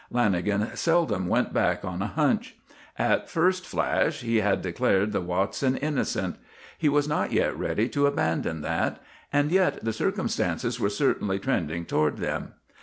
Lanagan seldom went back on a "hunch." At first flash he had declared the Watsons innocent. He was not yet ready to abandon that; and yet the circumstances were certainly trending toward them.